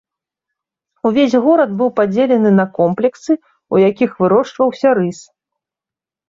Увесь горад быў падзелены на комплексы, у якіх вырошчваўся рыс.